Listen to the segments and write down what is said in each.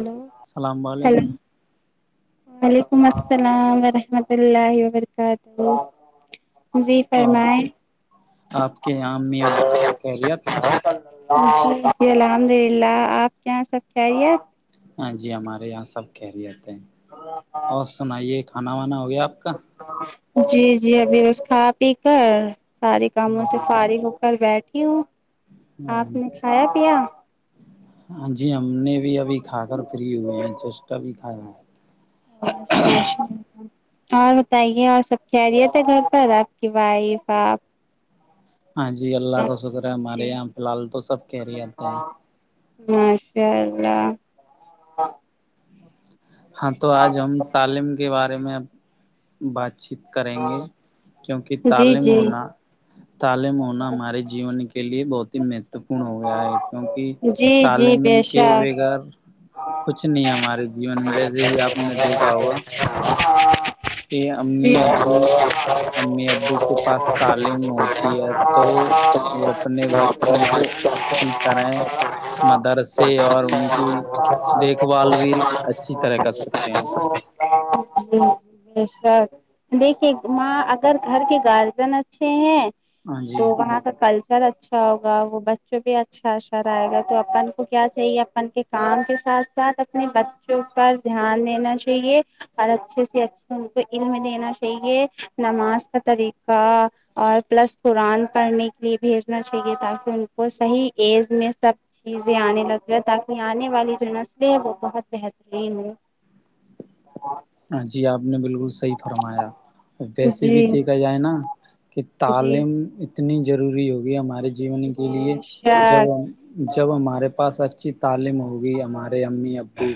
hello السلام hello علیکم وعلیکم السلام ورحمۃ اللہ وبرکاتہ جی اور فرمائیں آپ کے یہاں امی ابو سب خیریت جی الحمد للہ آپ کے یہاں سب خیریت ہاں جی ہمارے یہاں سب خہیریت ہیں اور سنائیے کھانا وانا ہو گیا آپ کا جی جی ابھی بس کھا پی کر سارے کاموں سے جی فارغ ہو کر بیٹھی ہوں آپ نے کھایا پیا ہاں جی ہم نے بھی ابھی کھا کر فری ہوئے ہیں چسٹ ابھی کھایا ہے اچھا اور بتائیے اور سب خیریت ہے گھر پر آپ کی وائف آپ ہاں جی اللہ کا شکر ہے ہمارے جی یہاں فی الحال تو سب خیریت ہیں ماشاء اللہ ہاں تو آج ہم تعلیم کے بارے میں اب ہم بات چیت کریں گے کیونکہ جی تعلیم جی ہونا تعلیم ہونا ہمارے جیون کے لیے بہت ہی مہت مہتپورن ہو گیا ہے کیونکہ جی جی تعلیم بے کے شک بغیر کچھ نہیں ہمارے جیون میں ویسے بھی آپ نے دیکھا ہوگا کہ امی ابو امی [inaudible] ابو کے پاس تعلیم ہوتی ہے تو وہ اپنے [inaudible] بچوں کو اچھی طرح مدرسے اور [inaudible] ان کی دیکھ بھال بھی اچھی طرح کر سکتے ہیں [inaudible] جی جی بے شک دیکھیے ماں اگر گھر کے گارجین اچھے ہیں ہاں تو جی وہاں کا کلر سر اچھا ہوگا وہ بچوں بھی اچھا سر آئے گا تو اپن کو کیا چاہیے اپن کے کام کے ساتھ ساتھ اپنے بچوں پر دھیان دینا چاہیے اور اچھے سے اچھے ان کو علم دینا چاہیے نماز کا طریقہ اور پلس قرآن پڑھنے کے لیے بھیجنا چاہیے تاکہ ان کو صحیح ایج میں سب چیزیں آنے لگ جاے تاکہ آنے والی جو نسلیں ہیں وہ بہت بہترین ہو جی آپ نے بالکل صحیح فرمایا ویسے بھی جی دیکھا جائے نا کہ جی تعلیم اتنی ضروری ہوگی ہمارے جیون کے لیے بے جب شک جب ہمارے پاس اچھی تعلیم ہوگی ہمارے امی ابو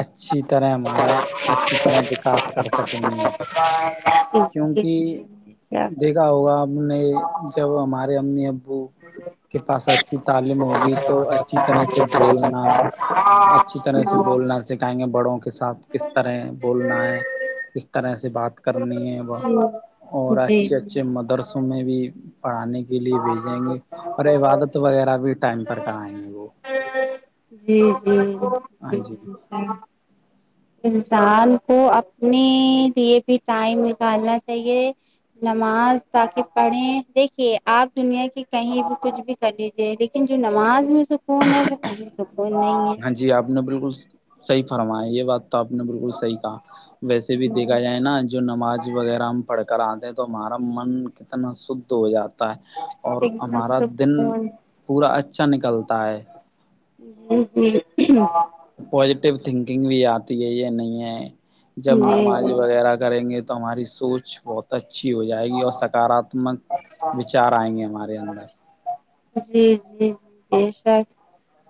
اچھی طرح ہمارا اچھی طرح وکاس کر سکیں گے جی کیونکہ جی بے شک دیکھا ہوگا ہم نے جب ہمارے امی ابو کے پاس اچھی تعلیم ہوگی تو اچھی طرح سے بولنا اچھی طرح سے بولنا نہ سکھائیں گے بڑوں کے ساتھ کس طرح بولنا ہے کس طرح سے بات کرنی ہے وہ اور جی اچھے اچھے مدرسوں میں بھی پڑھانے کے لیے بھیج دیںگے گے اور عبادت وغیرہ بھی ٹائم پر کرائیں گے وہ جی جی ہاں جی ہ انسان کو اپنے لیے بھی ٹائم نکالنا چاہیے نماز تاکہ پڑھیں دیکھیے آپ دنیا کی کہیں بھی کچھ بھی کر لیجیے لیکن جو نماز میں سکون ہے وہ کب سکون نہیں ہے ہاں جی آپ نے بالکل صحیح فرمایا یہ بات تو آپ نے بالکل صحیح کہا ویسے بھی ہے دیکھا جائے نا جو نماز وغیرہ ہم پڑھ کر آتے ہیں تو ہمارا من کتنا شدھ ہو جاتا ہے اور ایک دم ہمارا دن سکون پورا اچھا نکلتا ہے جی جی پازیٹیو تھنکنگ بھی آتی ہے یہ نہیں ہے جب جی نماز جی وغیرہ کریں گے تو ہماری سوچ بہت اچھی ہو جائے گی اور سکاراتمک وچار آئیں گے ہمارے اندر جی جی جی بے شک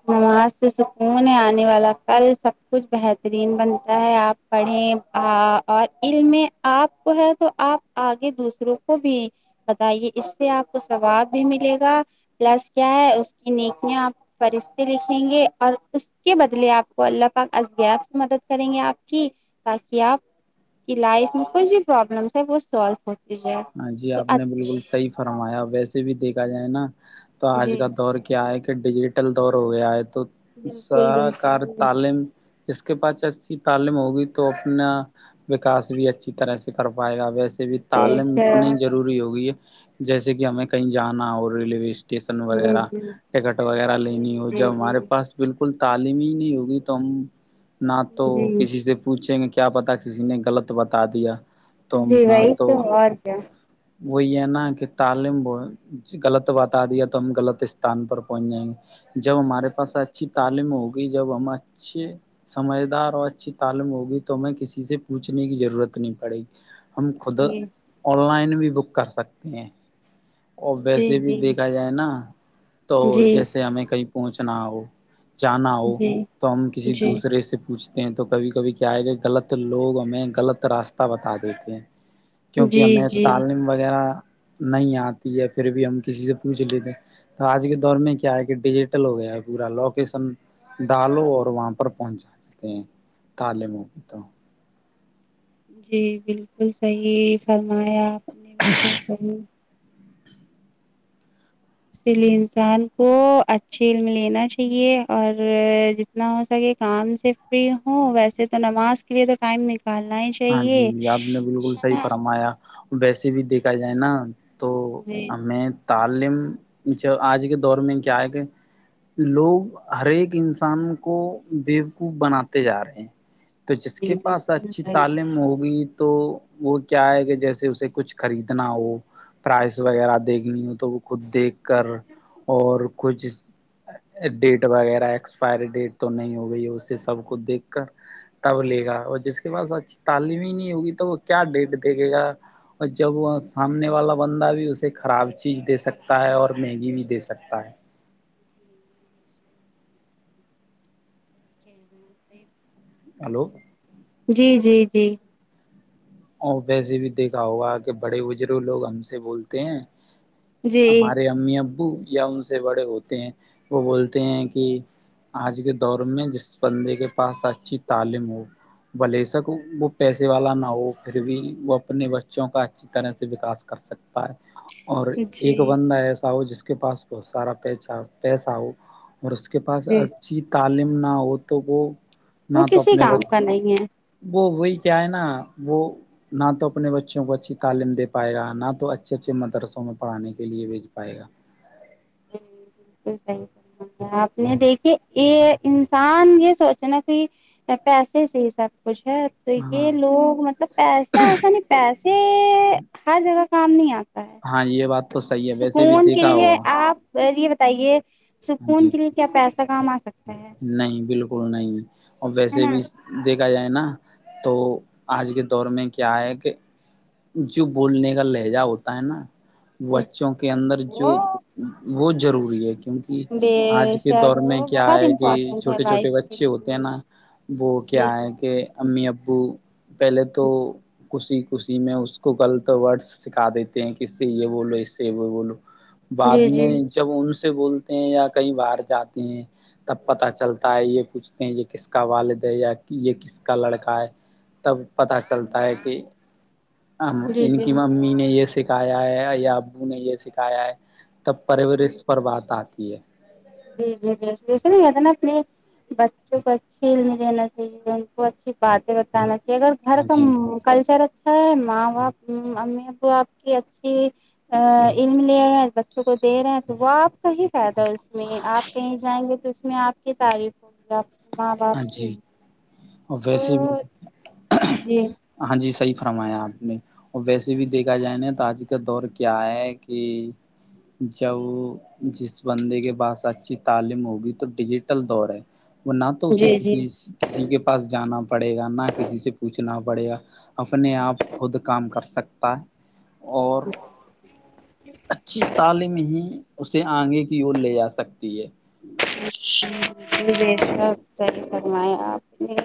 نماز سے سکون ہے آنے والا کل سب کچھ بہترین بنتا ہے آپ پڑھیں اور علم میں آپ کو ہے تو آپ آگے دوسروں کو بھی بتائیے اس سے آپ کو ثواب بھی ملے گا پلس کیا ہے اس کی نیکیاں آپ فرشتے لکھیں گے اور اس کے بدلے آپ کو اللہ پاک غائب سے مدد کریں گے آپ کی تاکہ آپ کی لائف میں کوئی جو پرابلمس ہے وہ سولف ہو ہاں جی آپ نے بالکل صحیح فرمایا ویسے بھی دیکھا جائے نا تو آج جی کا دور کیا ہے کہ کہ ڈیجیٹل دور ہو گیا ہے تو بالکل سرا بالکل کار جی تعلیم اس کے پاس ایسی تعلیم ہوگی تو اپنا وکاس بھی اچھی طرح سے کر پائے گا ویسے بھی بے تعلیم اتنی شک ضروری ہوگئی ہے جیسے کہ ہمیں کہیں جانا اور ریلوے اسٹیشن جی وغیرہ جی ٹکٹ وغیرہ جی لینی ہو جی جب جی ہمارے پاس بالکل تعلیم ہی نہیں ہوگی تو ہم نہ تو جی کسی سے پوچھیں گے کیا پتا کسی نے غلط بتا دیا جی وہی تو اور کیا وہ یہ نا کہ تعلیم غلط بتا دیا تو ہم غلط استان پر پہنچ جائیں گے جب ہمارے پاس اچھی تعلیم ہوگی جب ہم اچھے سمجھدار اور اچھی تعلیم ہوگی تو ہمیں کسی سے پوچھنے کی ضرورت نہیں پڑے گی ہم خود جی آن لائن بھی بک کر سکتے ہیں اور جی ویسے بھی جی دیکھا جائے نا تو جی جیسے ہمیں کہیں پہنچھنا ہو جانا ہو جی تو ہم کسی جی دوسرے سے پوچھتے ہیں تو کبھی کبھی کیا آئے گا غلط لوگ ہمیں غلط راستہ بتا دیتے ہیں کیونکہ جی ہمیں جی تعلیم وغیرہ نہیں آتی ہے پھر بھی ہم کسی سے پوچھ لیتے تو آج کے دور میں کیا ہے کہ ڈیجیٹل ہو گیا ہے پورا لوکیشن ڈالو اور وہاں پر پہنچا دیتے ہیں تال م تو جی بالکل صحیح فرمایا آپ نے بالکل اس لیے انسان کو اچھے علم لینا چاہیے اور تنا ہو سکے کام سے فری ہو ویسے تو نماز کے لیے تو ٹائم نکالنا ہی ہاں چاہیے جی آپ نے بالکل ہے صحیح نا فرمایا ویسے بھی دیکھا جائے نا تو جی ہمیں تعلیم جو آج کے دور میں کیا ہے کہ لوگ ہر ایک انسان کو بیوقوف بناتے جا رہے ہیں تو جس کے جی پاس بالکل اچھی صحیح تعلیم ہوگی تو وہ کیا ہے کہ جیسے اسے کچھ خریدنا ہو پرائز وغیرہ دیکھ گئی ہو تو وہ خود دیکھ کر اور کچھ ڈیٹ وغیرہ ایکسپائری ڈیٹ تو نہیں ہو گئی اسے سب کو دیکھ کر تب لے گا اور جس کے پاس اچھی تعلیم ہی نہیں ہوگی تو وہ کیا ڈیٹ دیکھے گا اور جب وہ سامنے والا بندہ بھی اسے خراب چیز دے سکتا ہے اور مہنگی بھی دے سکتا ہے [inaudible] ہلو جی جی جی اور ویسے بھی دیکھا ہوگا کہ بڑے بزرگ لوگ ہم سے بولتے ہیں کہ جی ہمارے امی ابو یا ان سے بڑے ہوتے ہیں وہ بولتے ہیں کہ آج کے دور میں جس بندے کے پاس اچھی تعلیم ہو میں لیسکو وہ پیسے والا نہ ہو پھر بھی وہ اپنے بچوں کا اچھی طرح سے وکاس کر سکتا ہے اور جی ایک جی بندہ ایسا ہو جس کے پاس بہت سارا پیسہ پیسہ ہو اور اس کے پاس اچھی تعلیم نہ ہو تو وہ نہ وہ تو کسی اپنے ب کام کا نہیں ہے وہ وہی کیا ہے نا وہ نہ تو اپنے بچوں کو اچھی تعلیم دے پائے گا نہ تو اچھے اچھے مدرسوں میں پڑھانے کے لیے بھیج پائے گا جی بالکل صحیح آپ نے دیکھی یہ انسان یہ سوچنا کی پیسے سے ہی سب کچھ ہے تو ہاں یہ لوگ مط لب پیسہ ایسا نہیں پیسے ہر جگہ کام نہیں آتا ہے ہاں یہ بات تو صحیح ہے ویسے بھی سکون کے دیکھا لیے ہوگا ہاں آپ پہلے یہ بتائیے جی سکون کے لیے کیا پیسہ کام آ سکتا ہے نہیں بالکل نہیں اور ہے ویسے نا بھی س دیکھ ا جائے نا تو آج کے دور میں کیا ہے کہ جو بولنے کا لہجہ ہوتا ہے نا بچوں کے اندر جو وہ ہہت ضروری ہے کیونکہ ہ بے آج کے شک دور میں وہ کیا بہت ہے کہ امپورٹینٹ ہے چھوٹے لائف چھوٹے کے بچے ہوتے ہیں نا لیے وہ کیا جی ہے کہ امی ابو پہلے تو خوشی خوشی میں اس کو غلط ورڈس سکھا دیتے ہیں کہ اس سے یہ بولو اس سے وہ بولو بعد جی میں جب ان سے بولتے ہیں یا کہیں باہر جاتے ہیں تب پتہ چلتا ہے یہ کچھ نہیں یہ کس کا والد ہے یا یہ کس کا لڑکا ہے تب پتا چلتا ہے کہ ہاں ہاں جی ان جی کی ممی نے یہ سکھایا ہے یا ابو نے یہ سکھایا ہے تب پرورش جی پر بات آتی ہے جی جی باکل ویسے نہ نہیں جاتے نا پلے بچوں کو اچھی علم دینا چاہیے ان کو اچھی باتیں بتانا چاہیے اگر گھر ہاں کا جی م کلچر اچھا ہے ماں باپ امی ابو آپ کی اچھی ا علم لے رہے ہیں بچوں کو دے رہے ہیں تو وہ آپ کا ہی فائدہ ہے اس میں آپ کہیں جائیں گے تو اس میں آپ کی تعریف ہوگی آپ کے ماں ہاں باپ کی جی اور ویسے بھی تو جی ہاں جی صحیح فرمایا آپ نے اور ویسے بھی دیکھا جائے نا تو آج کا دور کیا ہے کی جب جس بندے کے پاس اچھی تعلیم ہوگی تو ڈیجیٹل دور ہے وہ نہ تو اسے جی کسی جی جی کسی کے پاس جانا پڑے گا نہ کسی سے پوچھنا پڑے گا اپنے آپ خود کام کر سکتا اور [inaudible] اچھی تعلیم ہی اسے آگے کی اور لے جا سکتی ہے [unintelligible] صحیح فرمائے آپ نے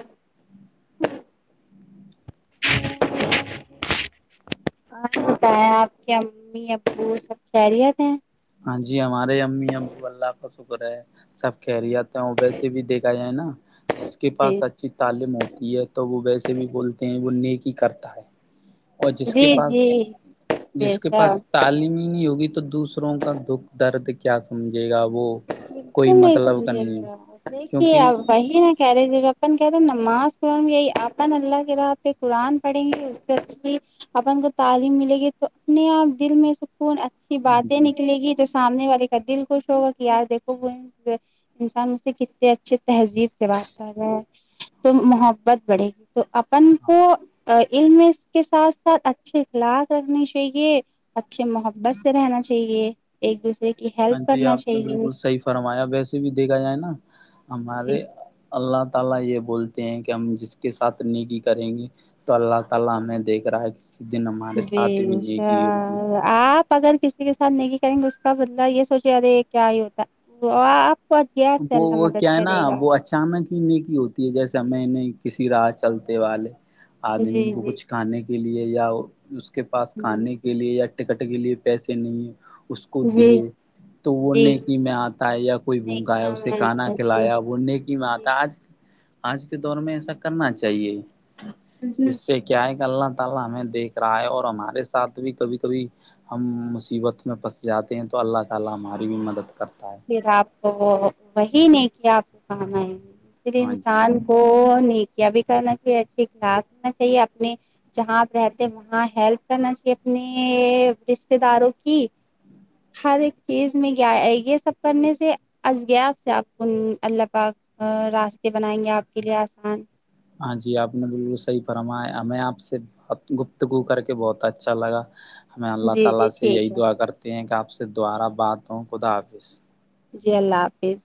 یسپ ہی بتائیں آپ کے امی ابو سب خیریت ہیں ہاں جی ہمارے امی ابو اللہ کا شکر ہے سب خیریت تا ہوں ویسے بھی دیکھا جائے نا جس کے پاس جی اچ اچھی تعلیم ہوتی ہے تو وہ ویسے بھی بولتے ہیں وہ نیکی کرتا ہے اور جس کے جی پاس جی بے جس کے شک پاس تعلیم ہی نہیں ہوگی تو دوسروں کا دکھ درد کیا سمجھے گا وہ کوئی بالکل نہیں مطلب کا سمجھے نہیں ہے گے دیکھیے کیونکہ اب وہی ہے کئی جگہ اپن کہہ رہے ہیں نماز قرآن یہ اپن اللہ کے راہ پہ قرآن پڑھیں گے اس سے اچھی اپن کو تعلیم ملے گی تو اپنے آپ دل میں کون اچھی ہاں باتیں جی نکلے گی جو سامنے والے کا دل خوش ہوگا کہ یار دیکھو وہ انسان اس سے کتنے اچھے تہذیب سے بات کر رہا ہے تو محبت بڑھے گی تو اب اپن کو علم اس کے ساتھ ساتھ اچھے اخلاق رکھنے چاہیے اچھے محبت سے رہنا چاہیے ایک دوسرے کی ہاں ہیلپ جی کرنا آپ نے چاہیے بالکل صحیح فرمایا ویسے بھی دیکھا جائے نا ہمارے جی اللہ تعالی یہ بولتے ہیں کہ ہم جس کے ساتھ نیکی کریں گے تو اللہ تعالی ہمیں دیکھ رہا ہے کسی دن ہمارے ساتھ بھی جی نیکی ہوگی آپ اگر کسی کے ساتھ نیکی کریں گے اس کا بدلا یہ سوچے رہے کیا ہی ہوتا تو آپ پہنچ گۓ آپ سے وہ الله وہ مدد کیا ہے نا کرے گا وہ اچانک ہی نیکی ہوتی ہے جیسے میں نے کسی راہ چلتے والے جی آدمی کو کچھ کھانے کے لیے یا اس کے پاس جی کھانے کے لیے یا ٹکٹ کے لیے پیسے نہیں اس کو جی دیے تو وہ جی نیکی میں آتا ہے یا کوئی بھوکا ہے نیکیاں اسے میں کھانا جی کھلایا وه نیکی میں آتا ہے آج آج کے دور میں ایسا کرنا چاہیے جی اس سے کیا ہے کہ اللہ تعالی ہمیں دیکھ رہا ہے اور ہمارے ساتھ بھی کبھی کبھی ہم مصیبت میں پھنس جاتے ہیں تو اللہ تعالی ہماری بھی مدد کرتا ہے پھر آپ کو وہی نیکیاں آپ کو کام آئے گے اس لیے ہاں جی انسان کونیکیاں بھی کرنا چاہیے اچھے اخلاق رکھنا چاہیے اپنے جہاں آپ رہتے وہاں ہیلپ کرنا چاہیے اپنے رشتے داروں کی ہر ایک چیز میں کیا آئے گی یہ سب کرنے سے آج غیب سے آپ کو اللہ پاک آ راستے بنائیں گے آپ کے لیے آسان ہاں جی آپ نے بالکل صحیح فرمایا میں آپ سے ابت گفتگو کر کے بہت اچھا لگا ہمیں اللہ جی جی تعالی سے یہی ٹھیک ہے دعا کرتے ہیں کہ آپ سے دوبارہ بات ہوں خدا حافظ جی اللہ حافظ